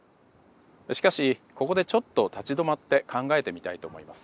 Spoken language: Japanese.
しかしここでちょっと立ち止まって考えてみたいと思います。